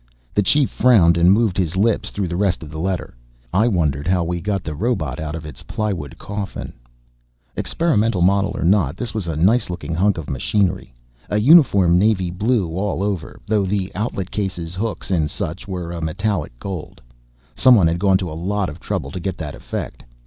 The Chief frowned and moved his lips through the rest of the letter. I wondered how we got the robot out of its plywood coffin. Experimental model or not, this was a nice looking hunk of machinery. A uniform navy blue all over, though the outlet cases, hooks and such were a metallic gold. Someone had gone to a lot of trouble to get that effect.